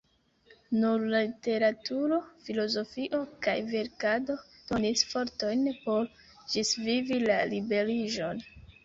Nur la literaturo, filozofio kaj verkado donis fortojn por ĝisvivi la liberiĝon.